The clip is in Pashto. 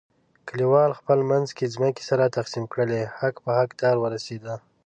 کلیوالو خپل منځ کې ځمکې سره تقسیم کړلې، حق په حق دار ورسیدا.